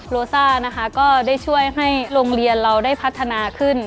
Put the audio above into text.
โลซ่านะคะก็ได้ช่วยให้โรงเรียนเราได้พัฒนาขึ้น